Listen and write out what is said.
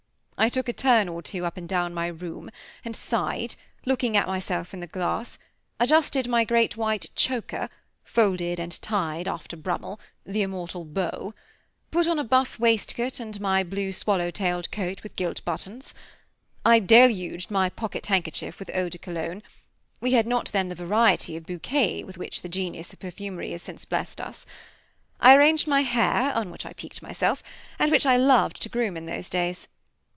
I took a turn or two up and down my room, and sighed, looking at myself in the glass, adjusted my great white "choker," folded and tied after Brummel, the immortal "Beau," put on a buff waist coat and my blue swallow tailed coat with gilt buttons; I deluged my pocket handkerchief with Eau de Cologne (we had not then the variety of bouquets with which the genius of perfumery has since blessed us) I arranged my hair, on which I piqued myself, and which I loved to groom in those days.